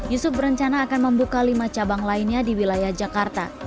yusuf berencana akan membuka lima cabang lainnya di wilayah jakarta